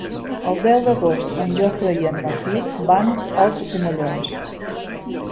El deu d'agost en Jofre i en Martí van als Omellons.